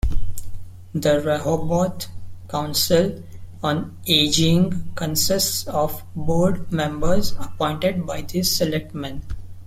The Rehoboth Council on Aging consists of board members appointed by the selectmen.